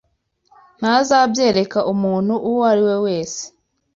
Ntazabyereka umuntu uwo ariwe wese